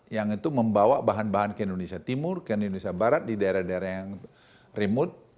yang itu membawa bahan bahan ke indonesia timur ke indonesia barat di daerah daerah yang remote